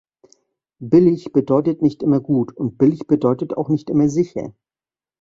Billig bedeutet nicht immer gut und billig bedeutet auch nicht immer sicher.